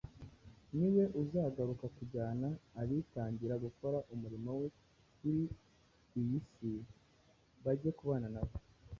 ni we uzagaruka kujyana abitangira gukora umurimo we kuri iyi si bajye kubana nawe.